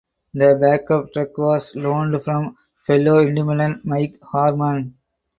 The backup truck was loaned from fellow independent Mike Harmon.